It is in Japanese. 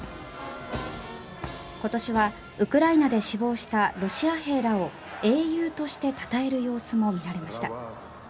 今年はウクライナで死亡したロシア兵らを英雄としてたたえる様子も見られました。